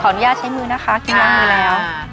อนุญาตใช้มือนะคะกินล้างมือแล้ว